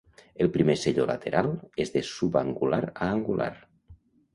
El primer selló lateral és de subangular a angular.